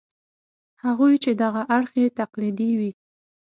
هغوی چې دغه اړخ یې تقلیدي وي.